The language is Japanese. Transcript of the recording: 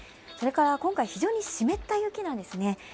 それから今回、非常に湿った雪なんですね。